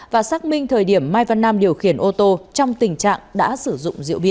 và xác minh thời điểm mai văn nam điều khiển ô tô trong tình trạng đã sử dụng rượu bia